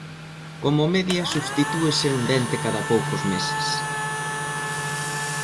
Como media substitúese un dente cada poucos meses.